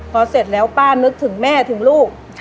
พอเสร็จแล้วป้านึกถึงแม่ถึงลูก